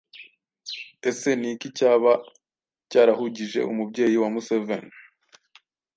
ese ni iki cyaba cyarahugije umubyeyi wa Museveni,